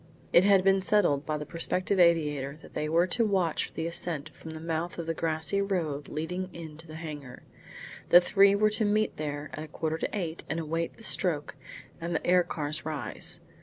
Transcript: It had been settled by the prospective aviator that they were to watch for the ascent from the mouth of the grassy road leading in to the hangar. The three were to meet there at a quarter to eight and await the stroke and the air cars rise.